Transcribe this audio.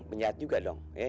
penyahat juga dong